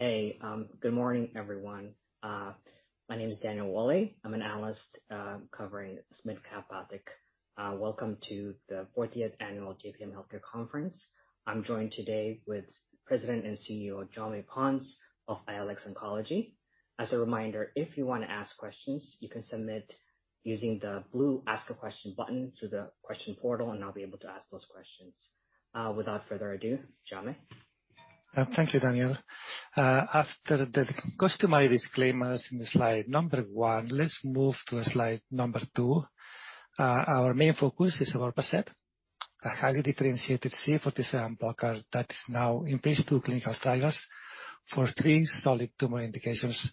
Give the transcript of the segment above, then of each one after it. Hey, good morning, everyone. My name is Daniel Wally. I'm an analyst covering mid-cap biotech. Welcome to the 40th Annual JPMorgan Healthcare Conference. I'm joined today with President and CEO Jaume Pons of ALX Oncology. As a reminder, if you wanna ask questions, you can submit using the blue Ask a Question button through the question portal, and I'll be able to ask those questions. Without further ado, Jaume. Thank you, Daniel. After the customary disclaimers in the slide one, let's move to slide two. Our main focus is evorpacept, a highly differentiated CD47 blocker that is now in phase II clinical trials for three solid tumor indications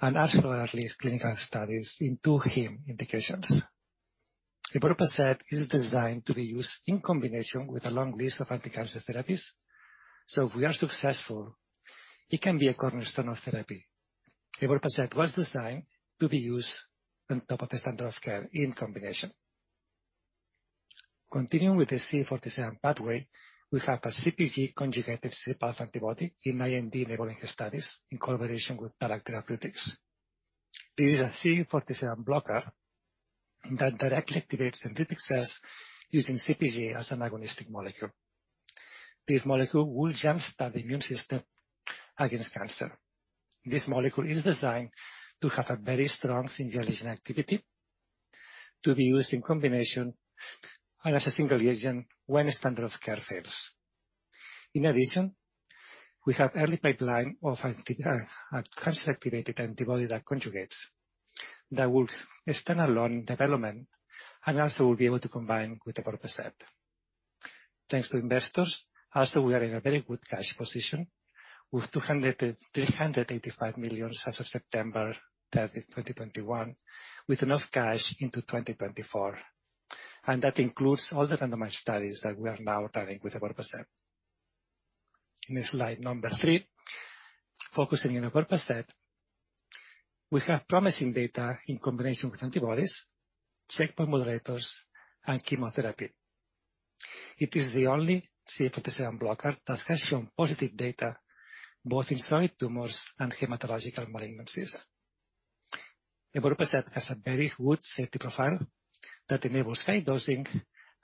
and also in at least clinical studies in two hematologic indications. Evorpacept is designed to be used in combination with a long list of anti-cancer therapies. If we are successful, it can be a cornerstone of therapy. Evorpacept was designed to be used on top of the standard of care in combination. Continuing with the CD47 pathway, we have a CPG-conjugated CD47 antibody in IND-enabling studies in collaboration with Tallac Therapeutics. This is a CD47 blocker that directly activates dendritic cells using CPG as an agonistic molecule. This molecule will jumpstart the immune system against cancer. This molecule is designed to have a very strong single agent activity to be used in combination and as a single agent when standard of care fails. In addition, we have early pipeline of anti cancer-activated antibody drug conjugates that will stand alone development and also will be able to combine with the evorpacept. Thanks to investors, also, we are in a very good cash position with $238 million as of September 30, 2021, with enough cash into 2024. That includes all the fundamental studies that we are now running with the evorpacept. In slide number three, focusing on evorpacept. We have promising data in combination with antibodies, checkpoint inhibitors, and chemotherapy. It is the only CD47 blocker that has shown positive data both in solid tumors and hematological malignancies. Evorpacept has a very good safety profile that enables high dosing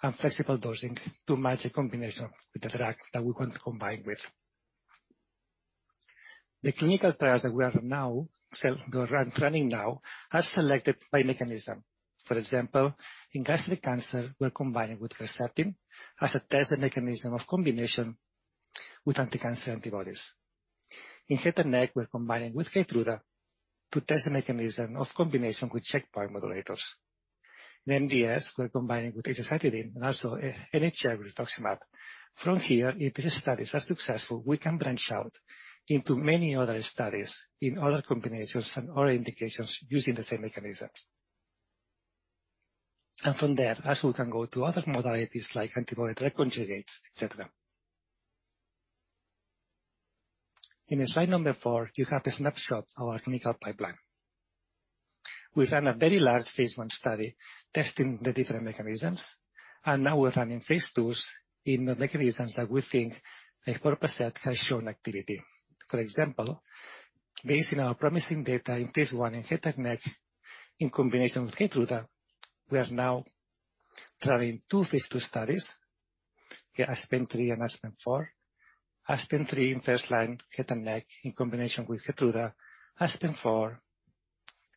and flexible dosing to match a combination with the drug that we want to combine with. The clinical trials we are running now are selected by mechanism. For example, in gastric cancer, we're combining with Herceptin as a test of mechanism of combination with anti-cancer antibodies. In head and neck, we're combining with KEYTRUDA to test the mechanism of combination with checkpoint inhibitors. In MDS, we're combining with azacitidine and also NHL rituximab. From here, if the studies are successful, we can branch out into many other studies in other combinations and other indications using the same mechanism. From there, also we can go to other modalities like antibody drug conjugates, et cetera. In slide number four, you have a snapshot of our clinical pipeline. We've done a very large phase I study testing the different mechanisms, and now we're running phase IIs in the mechanisms that we think evorpacept has shown activity. For example, based on our promising data in phase I in head and neck in combination with KEYTRUDA, we are now running two phase II studies, ASPEN-03 and ASPEN-04. ASPEN-03 in first-line head and neck in combination with KEYTRUDA. ASPEN-04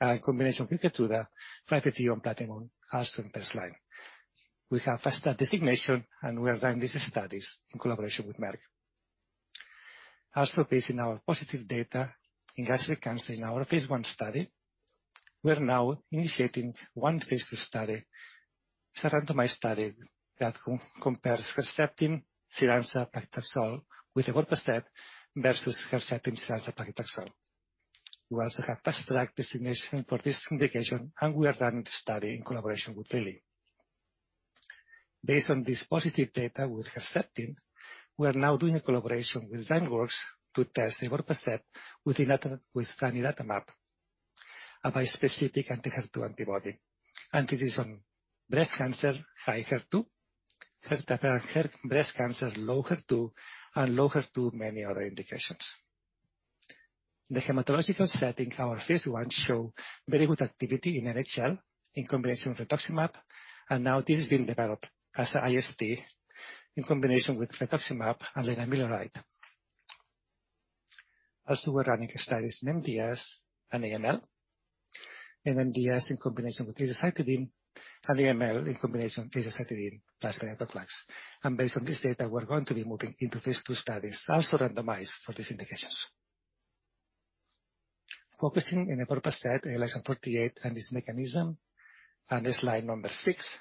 in combination with KEYTRUDA, 5-FU and platinum, also in first-line. We have Fast Track designation, and we are running these studies in collaboration with Merck. Also, based on our positive data in gastric cancer in our phase I study, we are now initiating one phase II study. It's a randomized study that compares Herceptin, CYRAMZA, paclitaxel with evorpacept versus Herceptin, CYRAMZA, paclitaxel. We also have faster drug designation for this indication, and we are running the study in collaboration with Lilly. Based on this positive data with Herceptin, we are now doing a collaboration with Zymeworks to test evorpacept with zanidatamab, a bispecific anti HER2 antibody. It is on breast cancer, high HER2, breast cancer, low HER2, and many other indications. The hematological setting, our phase I show very good activity in NHL in combination with rituximab, and now this is being developed as a IST in combination with rituximab and lenalidomide. We're running studies in MDS and AML. In MDS in combination with azacitidine, and AML in combination azacitidine plus venetoclax. Based on this data, we're going to be moving into phase II studies, also randomized for these indications. Focusing on evorpacept, ALX148, and this mechanism, on slide six,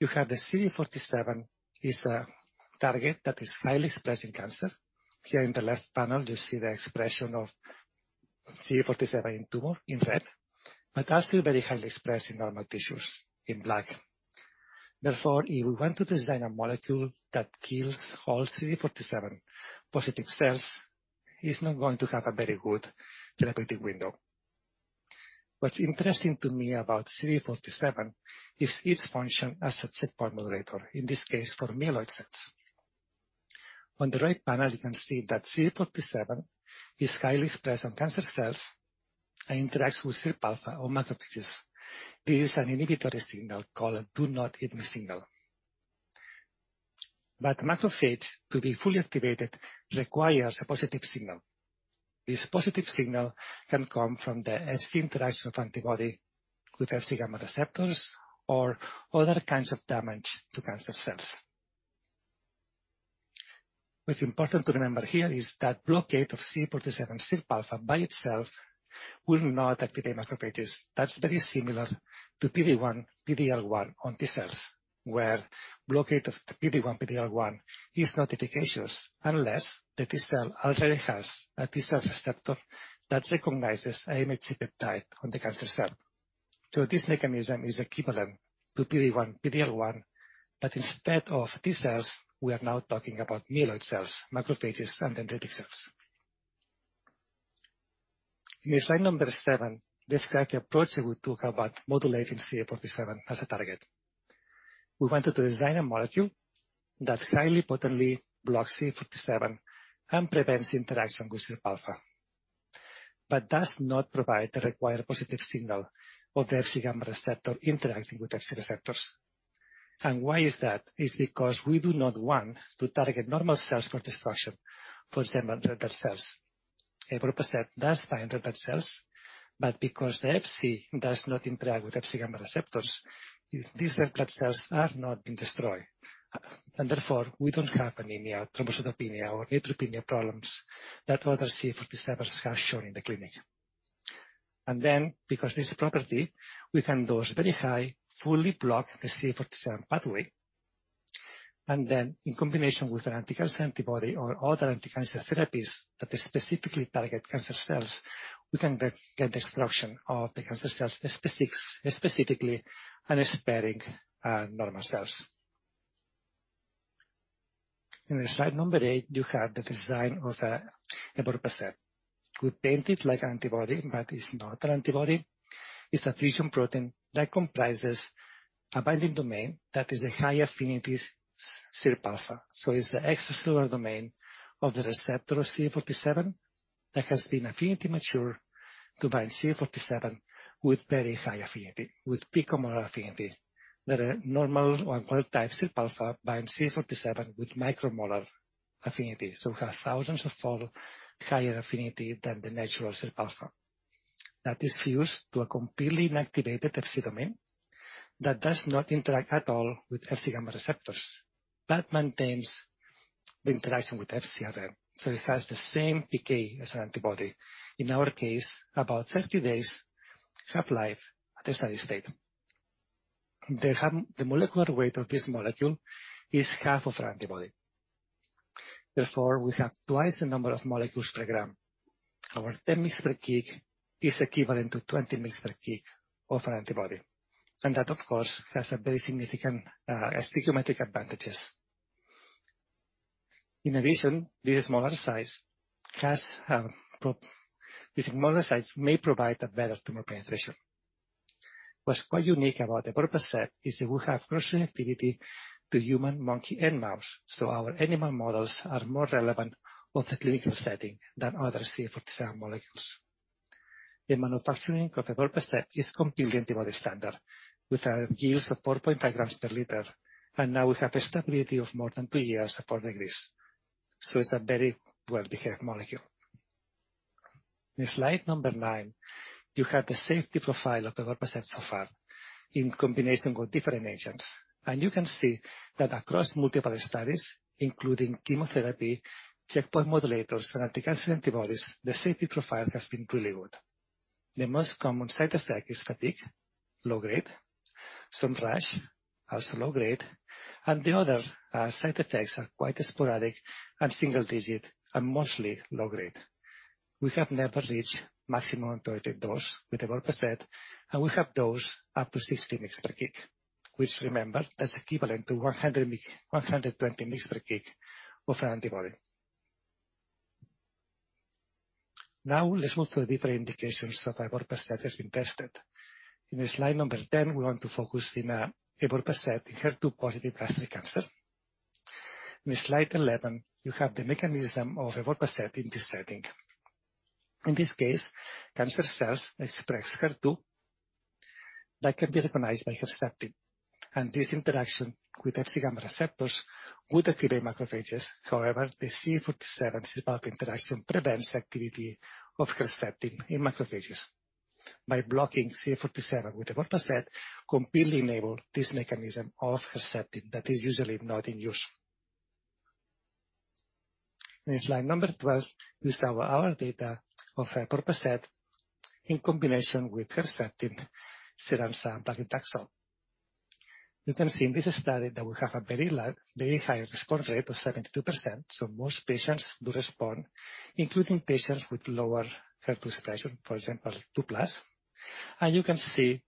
you have the CD47 is a target that is highly expressed in cancer. Here in the left panel you see the expression of CD47 in tumor in red, but also very highly expressed in normal tissues in black. Therefore, if we want to design a molecule that kills all CD47 positive cells, it's not going to have a very good therapeutic window. What's interesting to me about CD47 is its function as a checkpoint modulator, in this case, for myeloid cells. On the right panel, you can see that CD47 is highly expressed on cancer cells and interacts with SIRPα on macrophages. This is an inhibitory signal called "Do Not Eat Me" signal. But macrophage, to be fully activated, requires a positive signal. This positive signal can come from the Fc interaction of antibody with Fc gamma receptors or other kinds of damage to cancer cells. What's important to remember here is that blockade of CD47 SIRPα by itself will not activate macrophages. That's very similar to PD-1, PD-L1 on T-cells, where blockade of the PD-1, PD-L1 is not efficacious unless the T-cell already has a T-cell receptor that recognizes a MHC peptide on the cancer cell. This mechanism is equivalent to PD-1, PD-L1, but instead of T-cells, we are now talking about myeloid cells, macrophages, and dendritic cells. In slide seven, this is actually the approach that we talk about modulating CD47 as a target. We wanted to design a molecule that highly potently blocks CD47 and prevents interaction with SIRPα, but does not provide the required positive signal of the Fc gamma receptor interacting with Fc receptors. Why is that? It's because we do not want to target normal cells for destruction, for example, red blood cells. Evorpacept does bind red blood cells, but because the Fc does not interact with Fc gamma receptors, these red blood cells are not being destroyed. And therefore, we don't have anemia, thrombocytopenia, or neutropenia problems that other CD47s have shown in the clinic. Because this property, we can dose very high, fully block the CD47 pathway, and then in combination with an anti-cancer antibody or other anti-cancer therapies that specifically target cancer cells, we can then get destruction of the cancer cells specifically and sparing normal cells. In slide number 8, you have the design of evorpacept. We paint it like antibody, but it's not an antibody. It's a fusion protein that comprises a binding domain that is a high-affinity SIRPα. It's the extracellular domain of the receptor of CD47 that has been affinity matured to bind CD47 with very high affinity, with picomolar affinity. The normal or wild-type SIRPα binds CD47 with micromolar affinity, so we have thousands-fold higher affinity than the natural SIRPα. That is fused to a completely inactivated Fc domain that does not interact at all with Fc gamma receptors, but maintains the interaction with FcRn. It has the same decay as an antibody. In our case, about 30 days half-life at a steady state. The molecular weight of this molecule is half of our antibody. Therefore, we have twice the number of molecules per gram. Our 10 mg per kg is equivalent to 20 mg per kg of an antibody. And that, of course, has a very significant stoichiometric advantages. In addition, this smaller size may provide a better tumor penetration. What's quite unique about evorpacept is that we have cross-reactivity to human, monkey and mouse, so our animal models are more relevant of the clinical setting than other CD47 molecules. The manufacturing of evorpacept is completely antibody standard. With our yields of 4.5 g per liter, and now we have a stability of more than two years at 40 degrees. It's a very well-behaved molecule. In slide number nine, you have the safety profile of evorpacept so far in combination with different agents. You can see that across multiple studies, including chemotherapy, checkpoint modulators, and anti-cancer antibodies, the safety profile has been really good. The most common side effect is fatigue, low-grade, some rash, also low-grade, and the other, side effects are quite sporadic and single digit and mostly low-grade. We have never reached maximum tolerated dose with evorpacept, and we have dosed up to 60 mg per kg, which remember, that's equivalent to 100 mg-120 mg per kg of an antibody. Now let's move to the different indications that evorpacept has been tested. In slide 10, we want to focus in, evorpacept in HER2-positive breast cancer. In slide 11, you have the mechanism of evorpacept in this setting. In this case, cancer cells express HER2 that can be recognized by Herceptin, and this interaction with Fc gamma receptors would activate macrophages. However, the CD47 SIRPα interaction prevents the activity of Herceptin in macrophages. By blocking CD47 with evorpacept, we completely enable this mechanism of Herceptin that is usually not in use. In slide 12 is our data of evorpacept in combination with Herceptin, Xeloda, paclitaxel. You can see in this study that we have a very high response rate of 72%, so most patients do respond, including patients with lower HER2 expression, for example, 2+. You can see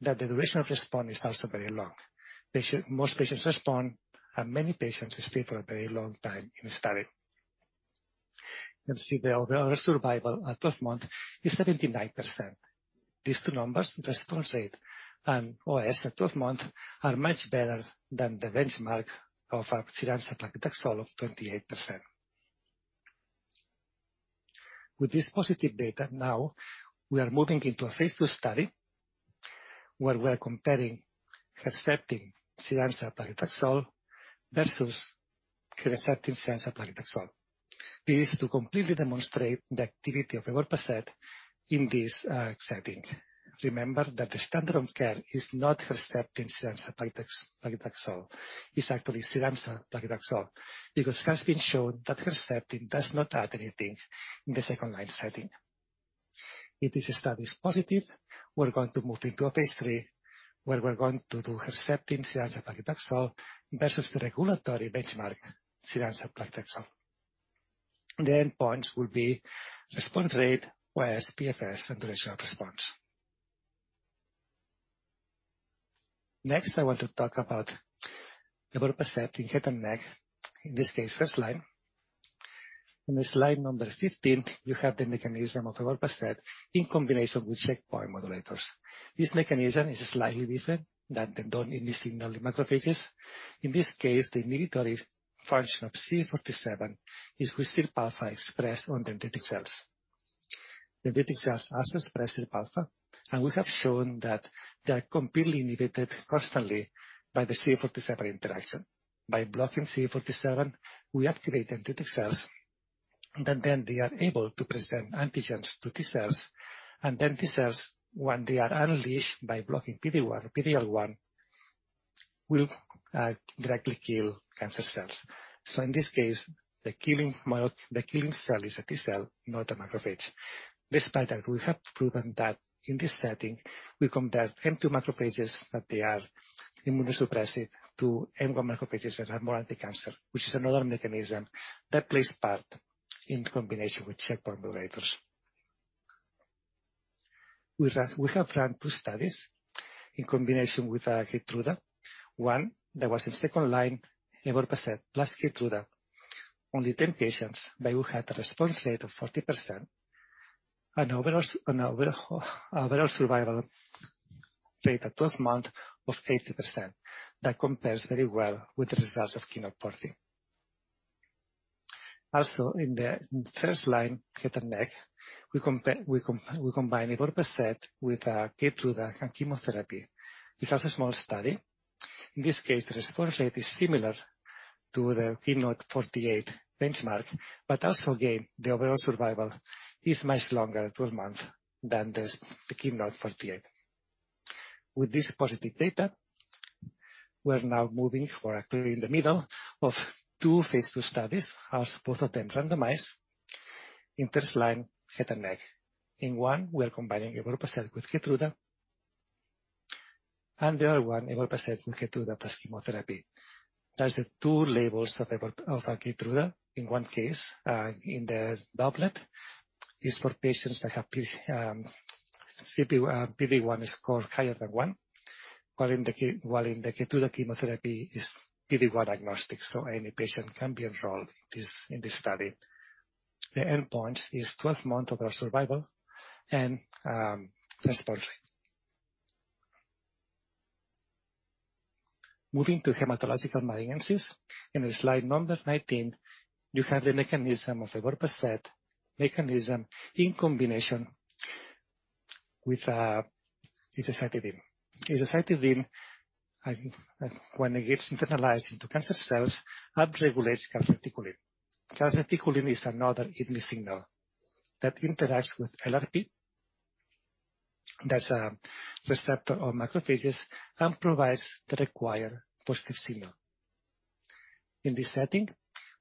that the duration of response is also very long. Most patients respond, and many patients stay for a very long time in the study. You can see the overall survival at 12 months is 79%. These two numbers, response rate and OS at 12 months, are much better than the benchmark of Xeloda paclitaxel of 28%. With this positive data now, we are moving into a phase II study where we are comparing Herceptin CYRAMZA paclitaxel versus Herceptin CYRAMZA paclitaxel. This is to completely demonstrate the activity of evorpacept in this setting. Remember that the standard of care is not Herceptin CYRAMZA paclitaxel. It's actually CYRAMZA paclitaxel, because it has been shown that Herceptin does not add anything in the second line setting. If this study is positive, we're going to move into a phase III, where we're going to do Herceptin CYRAMZA paclitaxel versus the regulatory benchmark, CYRAMZA paclitaxel. The endpoints will be response rate, OS, PFS, and duration of response. Next, I want to talk about evorpacept in head and neck, in this case, first line. In slide number 15, you have the mechanism of evorpacept in combination with checkpoint modulators. This mechanism is slightly different than the don't eat me signaling macrophages. In this case, the regulatory function of CD47 is with SIRPα expressed on dendritic cells. The dendritic cells also express SIRPα, and we have shown that they are completely inhibited constantly by the CD47 interaction. By blocking CD47, we activate dendritic cells, and then they are able to present antigens to T-cells. T-cells, when they are unleashed by blocking PD-1, PD-L1 will directly kill cancer cells. In this case, the killing mode, the killing cell is a T-cell, not a macrophage. Despite that, we have proven that in this setting, we compare M2 macrophages, that they are immunosuppressive, to M1 macrophages that have more anticancer. Which is another mechanism that plays part in combination with checkpoint modulators. We have run two studies in combination with KEYTRUDA. One that was in second line, evorpacept plus KEYTRUDA. Only 10 patients, but we had a response rate of 40% and overall survival rate at 12 months of 80%. That compares very well with the results of KEYNOTE-040. Also, in the first-line head and neck, we combine evorpacept with KEYTRUDA and chemotherapy. It's also a small study. In this case, the response rate is similar to the KEYNOTE-048 benchmark, but also again, the overall survival is much longer at 12 months than the KEYNOTE-048. With this positive data, we're now moving or actually in the middle of two phase II studies, as both of them randomized in first-line head and neck. In one, we are combining evorpacept with KEYTRUDA, and the other one, evorpacept with KEYTRUDA plus chemotherapy. That's the two labels of KEYTRUDA. In one case, in the doublet, is for patients that have PD-1 score higher than one. While in the Keytruda chemotherapy is PD-L1 agnostic, so any patient can be enrolled in this study. The endpoint is 12 months overall survival and response rate. Moving to hematologic malignancies. In slide number 19, you have the mechanism of evorpacept in combination with azacitidine. Azacitidine, when it gets internalized into cancer cells, upregulates calreticulin. Calreticulin is another eat-me signal that interacts with LRP, that's a receptor of macrophages, and provides the required positive signal. In this setting,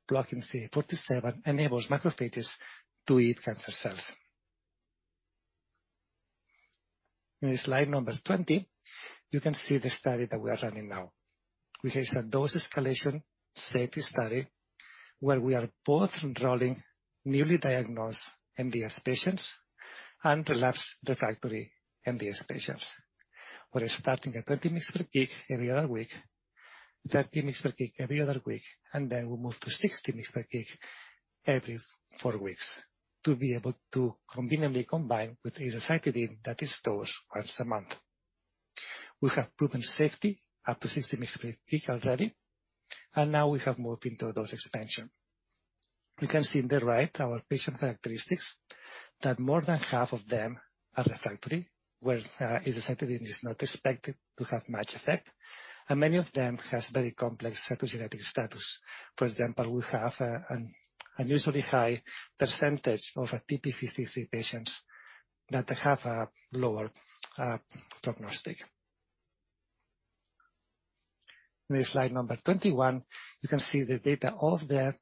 blocking CD47 enables macrophages to eat cancer cells. In slide number 20, you can see the study that we are running now, which is a dose escalation safety study, where we are both enrolling newly diagnosed MDS patients and relapsed refractory MDS patients. We're starting at 20 mg/kg every other week, 30 mg/kg every other week, and then we move to 60 mg/kg every four weeks to be able to conveniently combine with isatuximab that is dosed once a month. We have proven safety up to 60 mg/kg already, and now we have moved into dose expansion. We can see on the right our patient characteristics that more than half of them are refractory, where, isatuximab is not expected to have much effect, and many of them has very complex cytogenetic status. For example, we have, an unusually high percentage of, TP53 patients that have a lower, prognostic. In slide number 21, you can see the data of the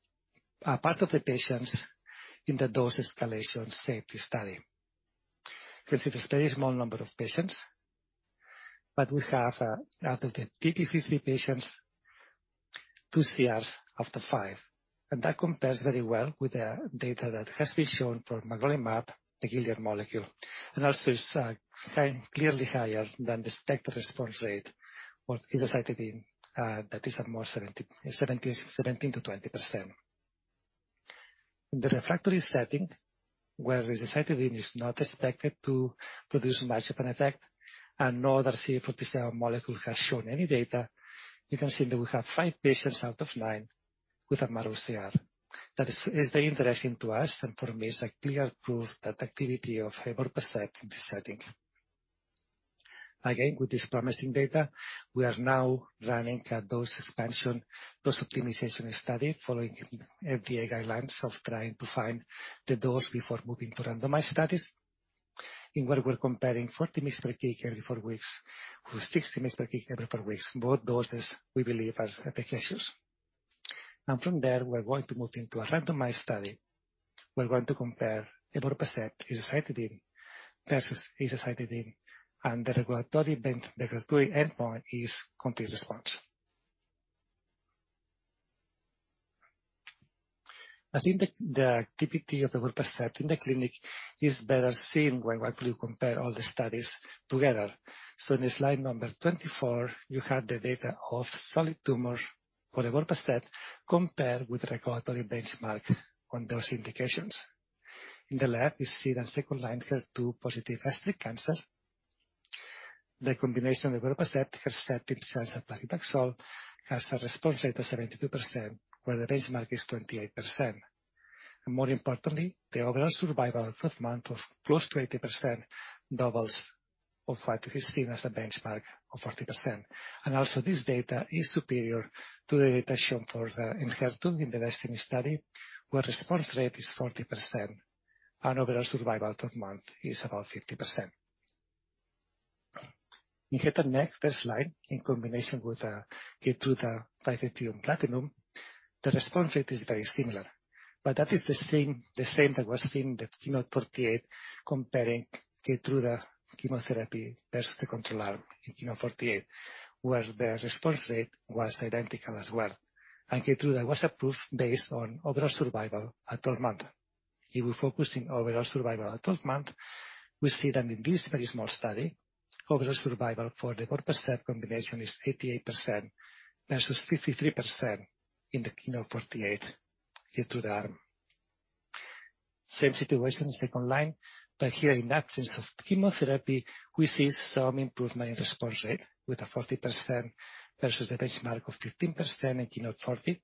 part of the patients in the dose escalation safety study. You can see it is very small number of patients, but we have out of the TP53 patients, 2 CRs of the five. That compares very well with the data that has been shown for magrolimab, the Gilead molecule. Also is clearly higher than the expected response rate for isatuximab that is at 17%-20%. In the refractory setting, where decitabine is not expected to produce much of an effect and no other CD47 molecule has shown any data, you can see that we have five patients out of nine with a marrow CR. That is very interesting to us and for me is a clear proof that activity of evorpacept in this setting. With this promising data, we are now running a dose expansion, dose optimization study following FDA guidelines of trying to find the dose before moving to randomized studies. Where we're comparing 40 mg/kg every four weeks with 60 mg/kg every four weeks. Both doses we believe has efficacious. Now, from there, we're going to move into a randomized study. We're going to compare evorpacept, azacitidine versus azacitidine. The regulatory endpoint is complete response. I think the activity of evorpacept in the clinic is better seen when we compare all the studies together. In slide number 24, you have the data of solid tumor for evorpacept compared with regulatory benchmark on those indications. On the left, you see that second-line HER2-positive gastric cancer. The combination of evorpacept, Herceptin, Cyramza has a response rate of 72%, where the benchmark is 28%. More importantly, the overall survival at 12 months of close to 80% doubles of what is seen as a benchmark of 40%. Also this data is superior to the data shown for the Enhertu in the DESTINY study, where response rate is 40% and overall survival at 12 months is about 50%. In head and neck, this slide, in combination with KEYTRUDA, 5-FU and platinum, the response rate is very similar. That is the same that was seen in the KEYNOTE-048, comparing KEYTRUDA chemotherapy versus the control arm in KEYNOTE-048, where the response rate was identical as well. KEYTRUDA was approved based on overall survival at 12 months. If we focus in overall survival at 12 months, we see that in this very small study, overall survival for the evorpacept combination is 88% versus 53% in the KEYNOTE-048 KEYTRUDA arm. Same situation, second line, but here in absence of chemotherapy, we see some improvement in response rate with a 40% versus the benchmark of 15% in KEYNOTE-040.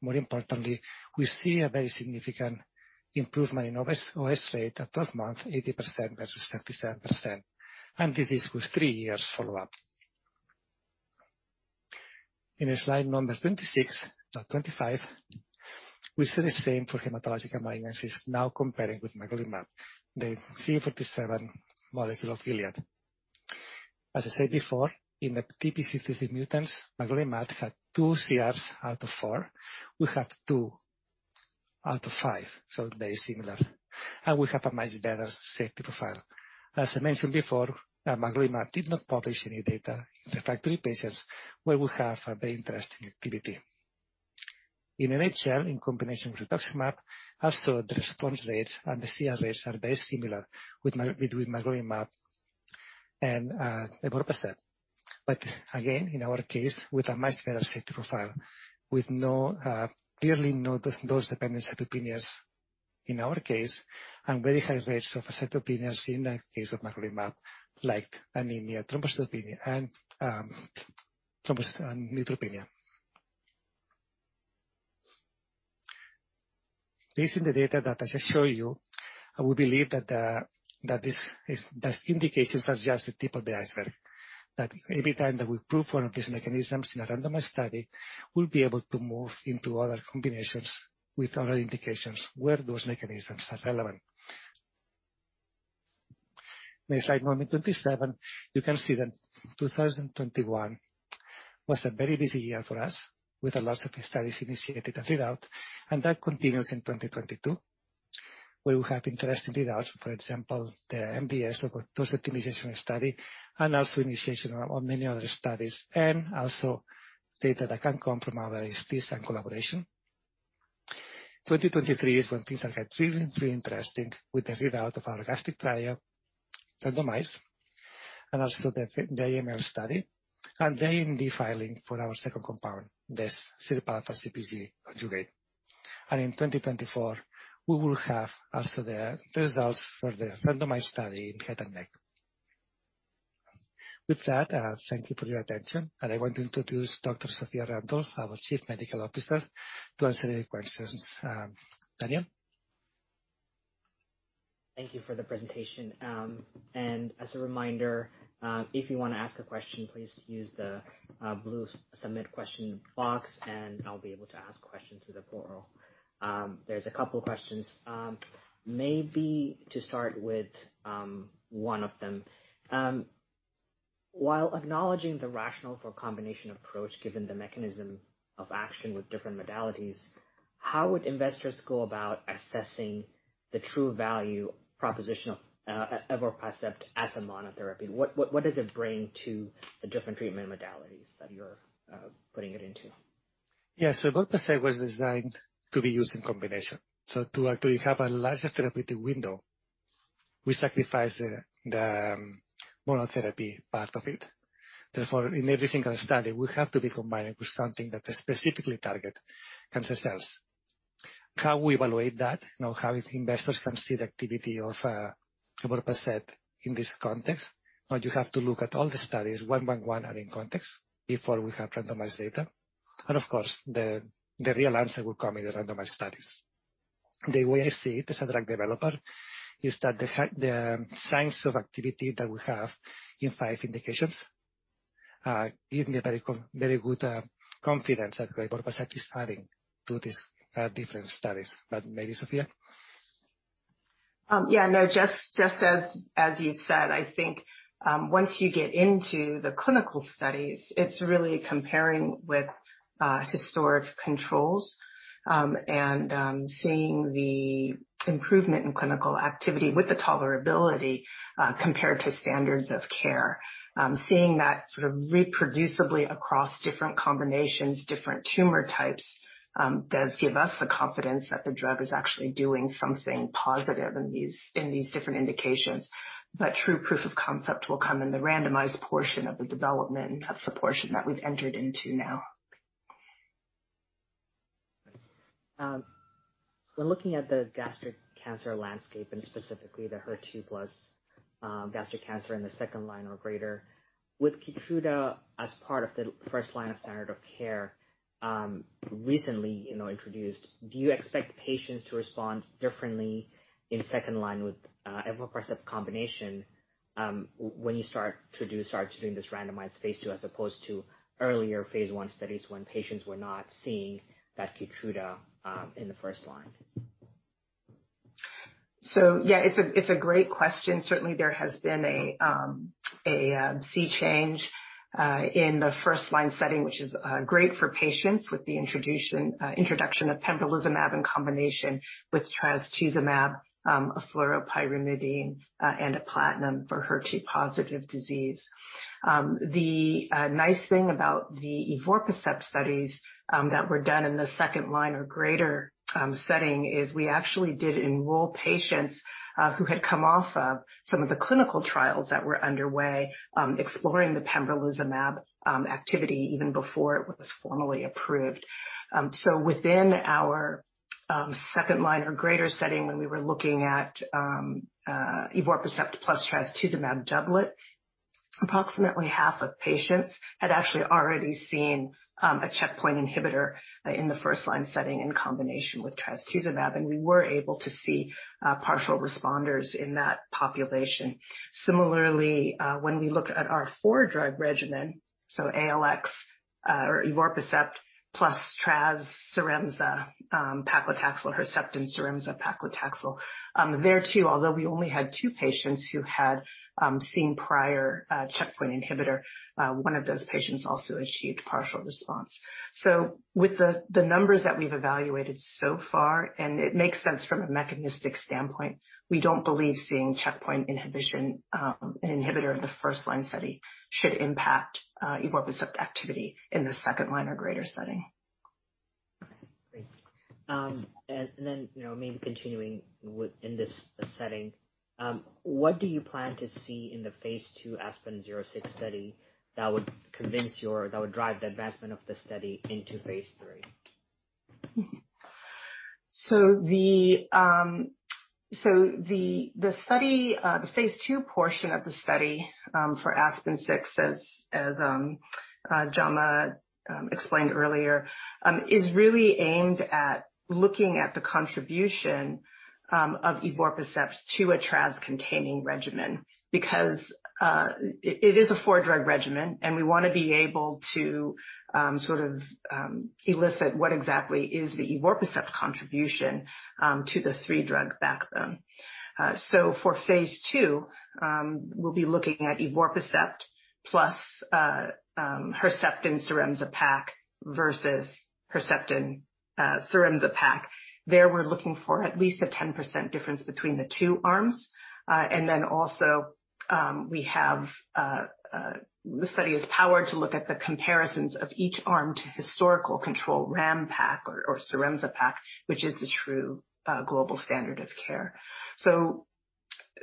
More importantly, we see a very significant improvement in OS rate at 12 months, 80% versus 37%. This is with three years follow-up. In slide number 26, 25, we see the same for hematological malignancies, now comparing with magrolimab, the CD47 molecule of Gilead. As I said before, in the TP53 mutants, magrolimab had two CRs out of four. We have two out of five, so very similar. We have a much better safety profile. As I mentioned before, magrolimab did not publish any data in refractory patients, where we have a very interesting activity. In NHL, in combination with rituximab, also the response rates and the CR rates are very similar between magrolimab and evorpacept. But again, in our case, with a much better safety profile, with clearly no dose-dependent cytopenias in our case, and very high rates of cytopenias in the case of magrolimab, like anemia, thrombocytopenia, and neutropenia. Based on the data that I just showed you, I would believe that those indications are just the tip of the iceberg that every time that we prove one of these mechanisms in a randomized study, we'll be able to move into other combinations with other indications where those mechanisms are relevant. In slide number 27, you can see that 2021 was a very busy year for us, with a lot of studies initiated and read out, and that continues in 2022, where we have interesting readouts. For example, the MDS dose optimization study and also initiation of many other studies and also data that can come from our ISTs and collaborations. 2023 is when things will get really interesting with the readout of our gastric trial, randomized, and also the AML study and the IND filing for our second compound, the SIRPα-CpG conjugate. In 2024, we will have also the results for the randomized study in head and neck. With that, thank you for your attention, and I want to introduce Dr. Sophia Randolph, our Chief Medical Officer, to answer any questions. Sophia. Thank you for the presentation. As a reminder, if you wanna ask a question, please use the blue submit question box and I'll be able to ask question to the floor. There's a couple questions. Maybe to start with one of them. While acknowledging the rationale for combination approach, given the mechanism of action with different modalities, how would investors go about assessing the true value proposition of evorpacept as a monotherapy? What does it bring to the different treatment modalities that you're putting it into? Evorpacept was designed to be used in combination to actually have a larger therapeutic window. We sacrifice the monotherapy part of it. Therefore, in every single study, we have to be combining with something that specifically target cancer cells. How we evaluate that, you know, how investors can see the activity of evorpacept in this context, but you have to look at all the studies one by one and in context before we have randomized data. Of course, the real answer will come in the randomized studies. The way I see it as a drug developer is that the signs of activity that we have in five indications give me very good confidence that evorpacept is adding to these different studies. Maybe Sophia. Just as you said, I think, once you get into the clinical studies, it's really comparing with historic controls, and seeing the improvement in clinical activity with the tolerability, compared to standards of care. Seeing that sort of reproducibly across different combinations, different tumor types, does give us the confidence that the drug is actually doing something positive in these different indications. True proof of concept will come in the randomized portion of the development that we've entered into now. When looking at the gastric cancer landscape, and specifically the HER2+ gastric cancer in the second line or greater, with KEYTRUDA as part of the first line of standard of care, recently, you know, introduced, do you expect patients to respond differently in second line with evorpacept combination, when you start doing this randomized phase II, as opposed to earlier phase I studies when patients were not seeing that KEYTRUDA in the first line? It's a great question. Certainly, there has been a sea change in the first-line setting, which is great for patients with the introduction of pembrolizumab in combination with trastuzumab, a fluoropyrimidine, and a platinum for HER2-positive disease. The nice thing about the evorpacept studies that were done in the second-line or greater setting is we actually did enroll patients who had come off of some of the clinical trials that were underway exploring the pembrolizumab activity even before it was formally approved. Within our second line or greater setting, when we were looking at evorpacept plus trastuzumab doublet, approximately half of patients had actually already seen a checkpoint inhibitor in the first line setting in combination with trastuzumab, and we were able to see partial responders in that population. Similarly, when we look at our four-drug regimen, ALX148 or evorpacept plus tras, CYRAMZA, paclitaxel, Herceptin, CYRAMZA, paclitaxel. There too, although we only had two patients who had seen prior checkpoint inhibitor, one of those patients also achieved partial response. With the numbers that we've evaluated so far, and it makes sense from a mechanistic standpoint, we don't believe seeing checkpoint inhibitor in the first line study should impact evorpacept activity in the second line or greater setting. Okay, great. You know, maybe continuing in this setting, what do you plan to see in the phase II ASPEN-06 study that would drive the advancement of the study into phase III? The phase II portion of the study for ASPEN-06, as Jaume explained earlier, is really aimed at looking at the contribution of evorpacept to a trastuzumab-containing regimen. Because it is a four-drug regimen, and we wanna be able to sort of elicit what exactly is the evorpacept contribution to the three drug backbone. For phase II, we'll be looking at evorpacept plus Herceptin, CYRAMZA pac versus Herceptin, CYRAMZA pac. There, we're looking for at least a 10% difference between the two arms. And then also, the study is powered to look at the comparisons of each arm to historical control Ram-Pac or CYRAMZA pac, which is the true global standard of care.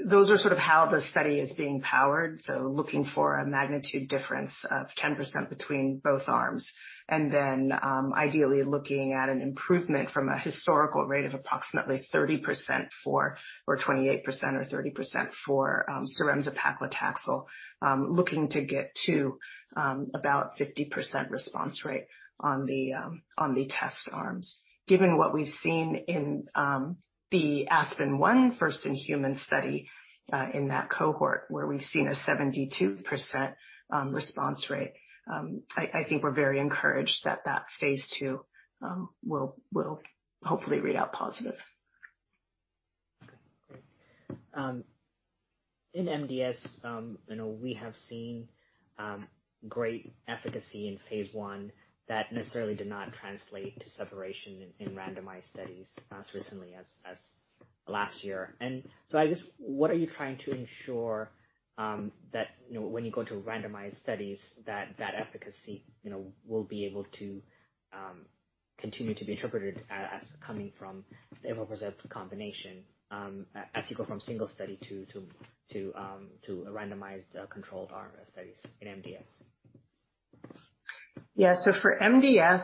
Those are sort of how the study is being powered, looking for a magnitude difference of 10% between both arms and then, ideally, looking at an improvement from a historical rate of approximately 28% or 30% for CYRAMZA paclitaxel, looking to get to about 50% response rate on the test arms. Given what we've seen in the ASPEN-01 first-in-human study in that cohort, where we've seen a 72% response rate, I think we're very encouraged that phase II will hopefully read out positive. Okay, great. In MDS, you know, we have seen great efficacy in phase I that necessarily did not translate to separation in randomized studies as recently as last year. What are you trying to ensure, that, you know, when you go to randomized studies that efficacy, you know, will be able to continue to be interpreted as coming from the evorpacept combination, as you go from single study to a randomized controlled trials in MDS. Yeah. For MDS,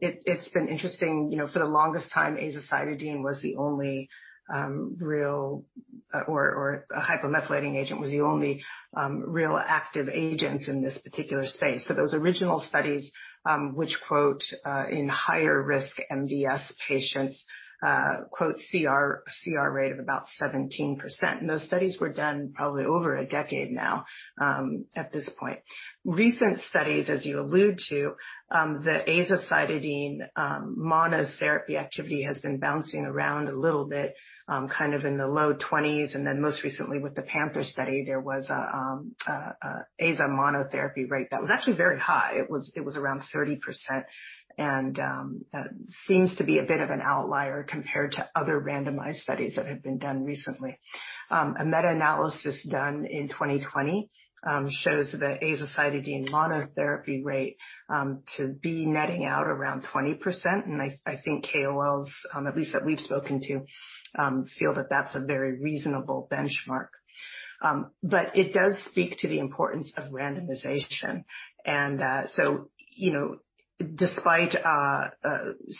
it's been interesting, you know, for the longest time, azacitidine was the only real or a hypomethylating agent was the only real active agents in this particular space. Those original studies, which showed in higher risk MDS patients a CR rate of about 17%. Those studies were done probably over a decade now at this point. Recent studies, as you allude to, the azacitidine monotherapy activity has been bouncing around a little bit, kind of in the low 20s. Then most recently with the PANTHER study, there was a azacitidine monotherapy rate that was actually very high. It was around 30%, and that seems to be a bit of an outlier compared to other randomized studies that have been done recently. A meta-analysis done in 2020 shows the azacitidine monotherapy rate to be netting out around 20%. I think KOLs, at least that we've spoken to, feel that that's a very reasonable benchmark. It does speak to the importance of randomization.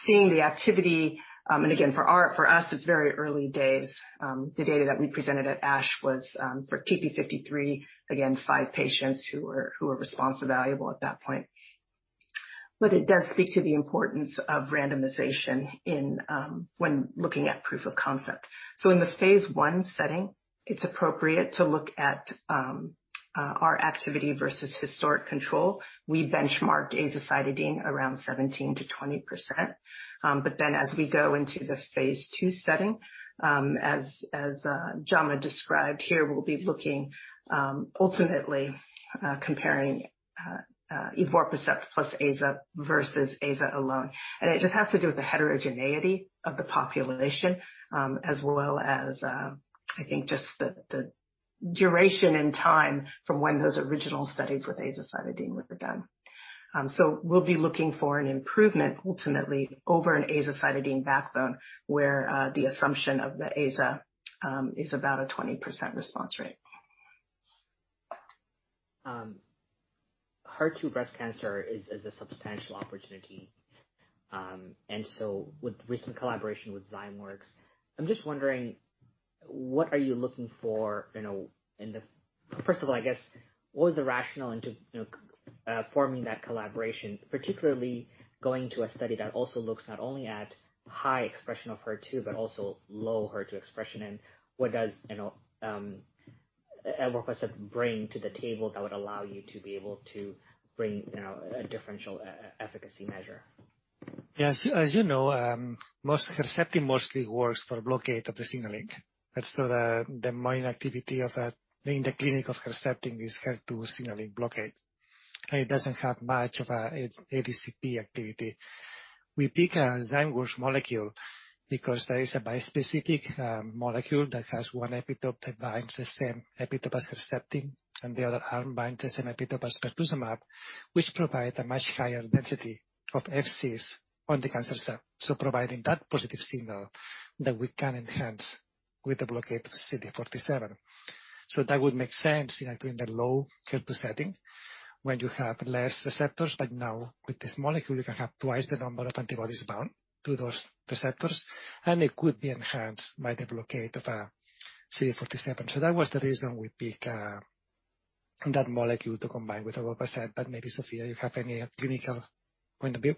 Seeing the activity, and again, for us, it's very early days. The data that we presented at ASH was for TP53, again, five patients who were response evaluable at that point. It does speak to the importance of randomization in when looking at proof of concept. In the phase I setting, it's appropriate to look at our activity versus historic control. We benchmarked azacitidine around 17%-20%. As we go into the phase II setting, as Jaume described here, we'll be looking ultimately comparing evorpacept plus Aza versus Aza alone. It just has to do with the heterogeneity of the population, as well as I think just the duration and time from when those original studies with azacitidine were done. We'll be looking for an improvement ultimately over an azacitidine backbone, where the assumption of the Aza is about a 20% response rate. HER2 breast cancer is a substantial opportunity. With recent collaboration with Zymeworks, I'm just wondering what you are looking for, you know. First of all, I guess, what was the rationale into, you know, forming that collaboration, particularly going to a study that also looks not only at high expression of HER2, but also low HER2 expression? What does, you know, evorpacept bring to the table that would allow you to be able to bring, you know, a differential efficacy measure? Yes. As you know, most Herceptin works for blockade of the signaling. That's the main activity of Herceptin in the clinic, this HER2 signaling blockade. It doesn't have much of a ADCP activity. We pick a Zymeworks molecule because there is a bispecific molecule that has one epitope that binds the same epitope as Herceptin, and the other arm binds the same epitope as pertuzumab, which provide a much higher density of FCs on the cancer cell. Providing that positive signal that we can enhance with the blockade of CD47. That would make sense in doing the low HER2 setting when you have less receptors. But now with this molecule, you can have twice the number of antibodies bound to those receptors, and it could be enhanced by the blockade of CD47. that was the reason we pick that molecule to combine with everolimus. Maybe, Sophia, you have any clinical point of view?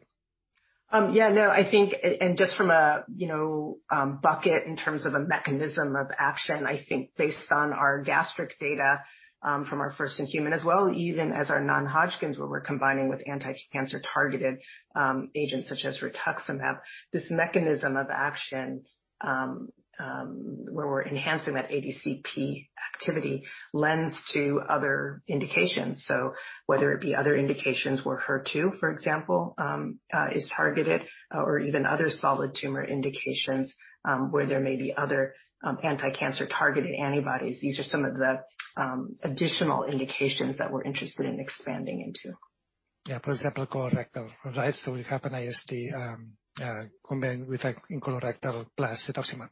Yeah, no, I think and just from a, you know, bucket in terms of a mechanism of action, I think based on our gastric data from our first-in-human as well, even in our non-Hodgkin's, where we're combining with anti-cancer targeted agents such as rituximab, this mechanism of action where we're enhancing that ADCP activity lends to other indications. Whether it be other indications where HER2, for example, is targeted or even other solid tumor indications where there may be other anti-cancer targeted antibodies. These are some of the additional indications that we're interested in expanding into. Yeah. For example, colorectal. Right. We have an IST combined with cetuximab in colorectal. Yep. PD-1 and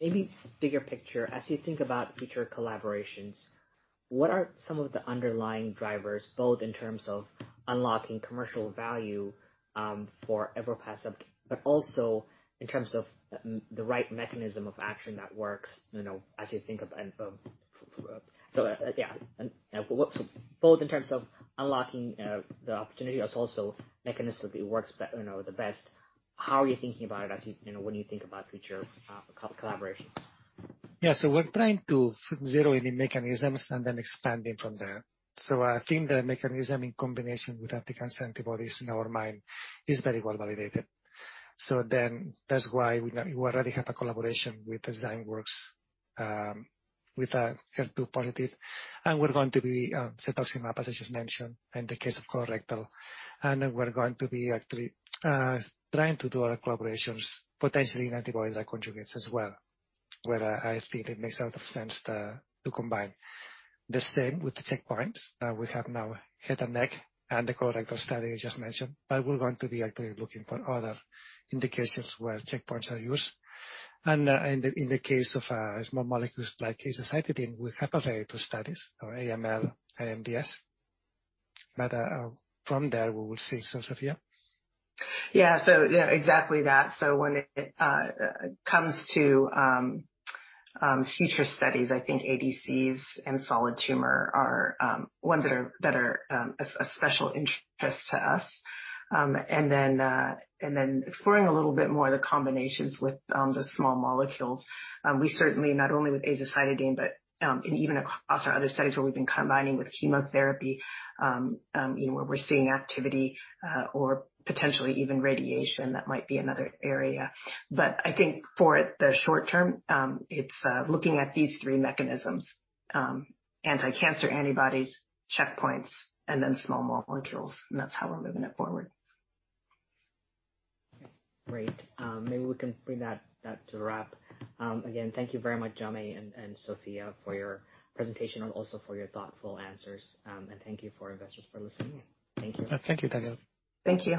Maybe bigger picture. As you think about future collaborations, what are some of the underlying drivers, both in terms of unlocking commercial value for evorpacept, but also in terms of the right mechanism of action that works, you know, as you think of the opportunity as also mechanistically works, you know, the best. How are you thinking about it as you know, when you think about future collaborations? Yeah. We're trying to zero in the mechanisms and then expanding from there. I think the mechanism in combination with anti-cancer antibodies in our mind is very well validated. That's why we already have a collaboration with Zymeworks with HER2-positive, and we're going to be cetuximab, as I just mentioned, in the case of colorectal. We're going to be actually trying to do other collaborations, potentially in antibody drug conjugates as well, where I think it makes a lot of sense to combine. The same with the checkpoints. We have now head and neck and the colorectal study I just mentioned, but we're going to be actively looking for other indications where checkpoints are used. In the case of small molecules like azacitidine, we have other studies in AML and MDS from there, we will see. Sophia. Yeah, exactly that. When it comes to future studies, I think ADCs and solid tumor are ones that are a special interest to us. And then exploring a little bit more the combinations with the small molecules. We certainly not only with azacitidine but and even across our other studies where we've been combining with chemotherapy, you know, where we're seeing activity or potentially even radiation, that might be another area. I think for the short term, it's looking at these three mechanisms, anti-cancer antibodies, checkpoints, and then small molecules, and that's how we're moving it forward. Great. Maybe we can bring that to a wrap. Again, thank you very much, Jaume and Sophia for your presentation and also for your thoughtful answers. And thank you, investors, for listening in. Thank you. Thank you, Daniel. Thank you.